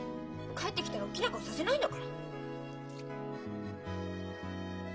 帰ってきたらおっきな顔させないんだから！